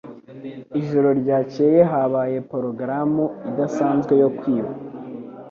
Ijoro ryakeye habaye progaramu idasanzwe yo kwiba.